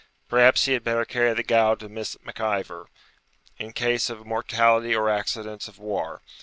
'Perhaps he had better carry the gowd to Miss Mac Ivor, in case of mortality or accidents of war.